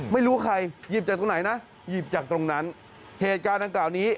ไม่รู้ใครหยิบจากตรงไหนนะหยิบจากตรงนั้นเหตุการณ์ดังกล่าวนี้